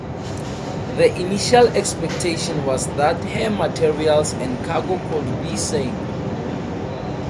The initial expectation was that her materials and cargo could be saved.